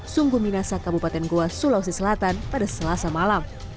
sungguh minasa kabupaten goa sulawesi selatan pada selasa malam